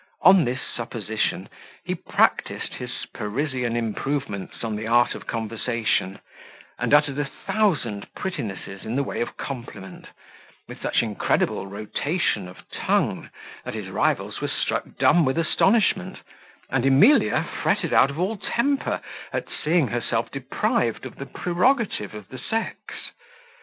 On this supposition, he practised his Parisian improvements on the art of conversation, and uttered a thousand prettinesses in the way of compliment, with such incredible rotation of tongue, that his rivals were struck dumb with astonishment, and Emilia fretted out of all temper, at seeing herself deprived of the prerogative of the sex.